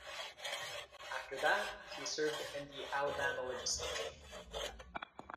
After that, he served in the Alabama legislature.